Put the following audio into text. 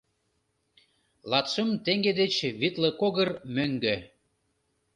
Латшым теҥге деч витлыкогыр мӧҥгӧ.